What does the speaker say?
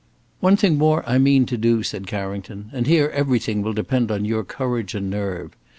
"One thing more I mean to do," said Carrington: "and here everything will depend on your courage and nerve.